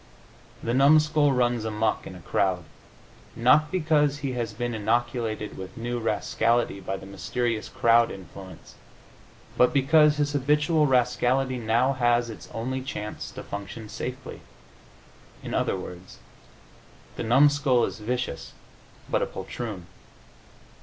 The numskull runs amuck in a crowd, not because he has been inoculated with new rascality by the mysterious crowd influence, but because his habitual rascality now has its only chance to function safely. In other words, the numskull is vicious, but a poltroon.